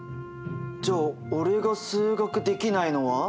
じゃあ俺が数学できないのは。